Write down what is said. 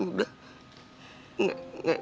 ini dalam perbicaraan yang penting